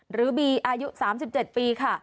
หรือบีอายุ๓๗ปีค่ะ